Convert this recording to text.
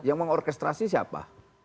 yang mengorkestrasi siapa